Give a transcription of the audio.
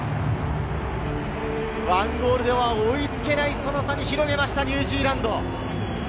１ゴールでは追いつけない、その差に広げました、ニュージーランド。